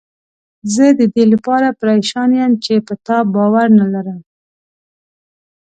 زه ددې لپاره پریشان یم چې په تا باور نه لرم.